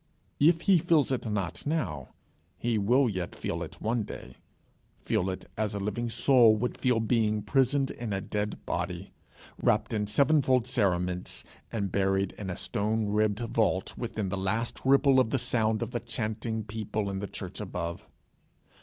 If he feels it not now, he will yet feel it one day feel it as a living soul would feel being prisoned in a dead body, wrapped in sevenfold cerements, and buried in a stone ribbed vault within the last ripple of the sound of the chanting people in the church above.